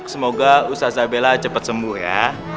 semoga usazabela cepat sembuh ya